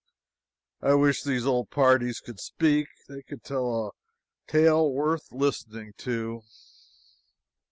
I wish these old parties could speak. They could tell a tale worth the listening to.